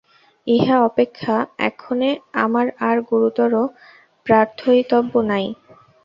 ইহা অপেক্ষা এক্ষণে আমার আর গুরুতর প্রার্থয়িতব্য নাই।